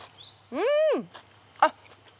うん！あっ。